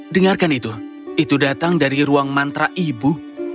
dengarkan itu itu datang dari ruang mantra ibu